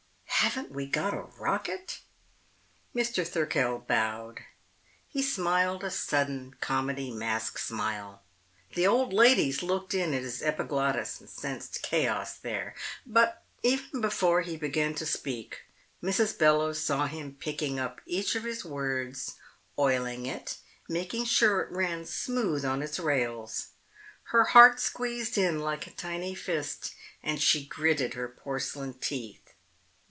Haven't we got a rocket?" Mr. Thirkell bowed. He smiled a sudden Comedy Mask smile. The old ladies looked in at his epiglottis and sensed chaos there. Before he even began to speak, Mrs. Bellowes saw him picking up each of his words, oiling it, making sure it ran smooth on its rails. Her heart squeezed in like a tiny fist, and she gritted her porcelain teeth.